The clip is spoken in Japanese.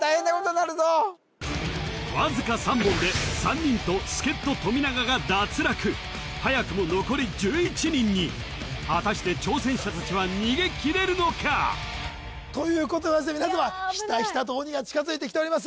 わずか３問で３人と助っ人富永が脱落早くも残り１１人に果たして挑戦者達は逃げ切れるのか？ということで皆さまひたひたと鬼が近づいてきております